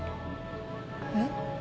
えっ？